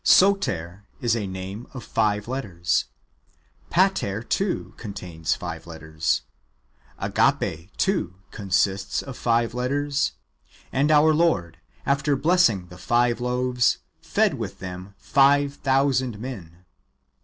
Sotcr is a name of five letters ; Pater, too, con tains five letters ; Agape (love), too, consists of five letters ; and our Lord, after ^ blessing the five loaves, fed with them five thousand men.